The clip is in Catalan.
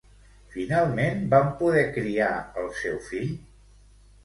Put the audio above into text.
Finalment van poder criar el seu fill?